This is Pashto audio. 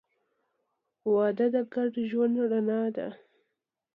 • واده د ګډ ژوند رڼا ده.